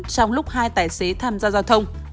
trong lúc hai tài xế tham gia giao thông